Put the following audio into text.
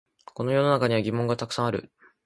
この世の中には疑問がたくさんある